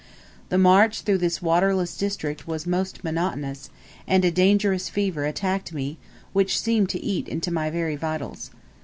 The march through this waterless district was most monotonous, and a dangerous fever attacked me, which seemed to eat into my very vitals.